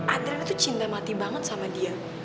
adriana tuh cinta mati banget sama dia